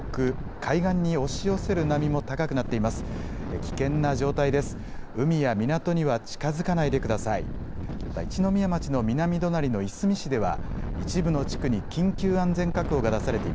海や港には近づかないでください。